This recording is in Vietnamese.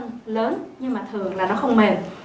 rất là lớn nhưng mà thường là nó không mềm